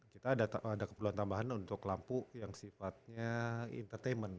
kita ada keperluan tambahan untuk lampu yang sifatnya entertainment